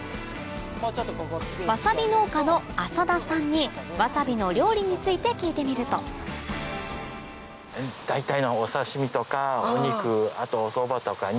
わさび農家の浅田さんにわさびの料理について聞いてみると大体。